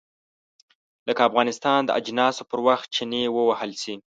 لکه افغانستان د اجناسو پر وخت چنې ووهل شي.